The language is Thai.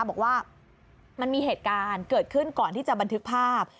บอกว่ามันมีเหตุการณ์เกิดขึ้นก่อนที่จะบันทึกภาพ